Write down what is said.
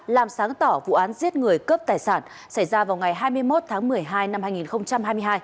làm sáng tỏ vụ án giết người cướp tài sản xảy ra vào ngày hai mươi một tháng một mươi hai năm hai nghìn hai mươi hai